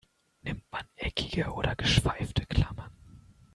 Nimmt man eckige oder geschweifte Klammern?